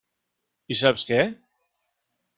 I saps què?